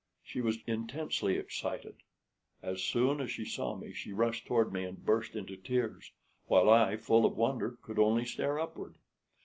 She was intensely excited. As soon as she saw me she rushed toward me and burst into tears, while I, full of wonder, could only stare upward.